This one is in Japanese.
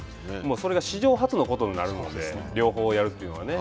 それが史上初のことになるので両方やるというのはね。